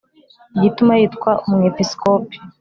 igituma yitwa umwepisikopi